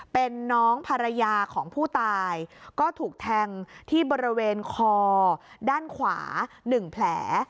เป็นน้องภรรยาของผู้ตายก็ถูกแทงที่บริเวณคอด้านขวา๑แผล